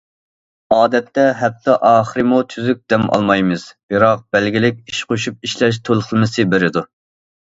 ئادەتتە ھەپتە ئاخىرىمۇ تۈزۈك دەم ئالمايمىز، بىراق بەلگىلىك ئىش قوشۇپ ئىشلەش تولۇقلىمىسى بېرىدۇ.